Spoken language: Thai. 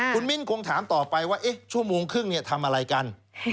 คุณมิ้นคงถามต่อไปว่าชั่วโมงครึ่งทำอะไรกัน